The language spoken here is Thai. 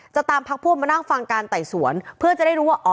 ตามพักพวกมานั่งฟังการไต่สวนเพื่อจะได้รู้ว่า